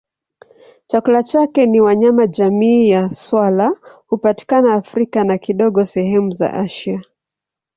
Chakula chake ni wanyama jamii ya swala hupatikana Afrika na kidogo sehemu za Asia.